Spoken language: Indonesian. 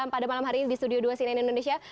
pada malam hari ini di studio dua cnn indonesia